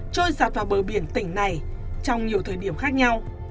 trôi giặt vào bờ biển tỉnh này trong nhiều thời điểm khác nhau